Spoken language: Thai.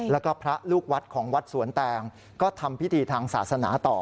แล้วก็พระลูกวัดของวัดสวนแตงก็ทำพิธีทางศาสนาต่อ